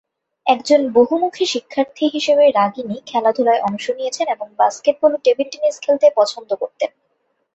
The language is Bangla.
একজন বহুমুখী শিক্ষার্থী হিসাবে রাগিনী খেলাধুলায় অংশ নিয়েছেন এবং বাস্কেটবল ও টেবিল-টেনিস খেলতে পছন্দ করতেন।